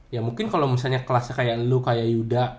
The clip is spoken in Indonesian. ya mungkin kalau misalnya kelasnya kayak lu kayak yuda